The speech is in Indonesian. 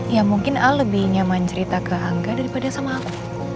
ya mungkin a lebih nyaman cerita ke hangga daripada sama aku